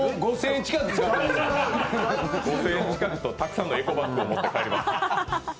５０００円近くと、たくさんのエコバッグを持ち帰ります。